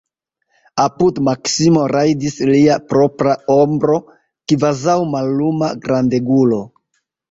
Apud Maksimo rajdis lia propra ombro, kvazaŭ malluma grandegulo.